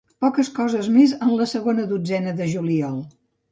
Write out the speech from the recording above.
Poques coses més en la segona dotzena de juliol.